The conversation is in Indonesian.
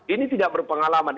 ini tidak berpengalaman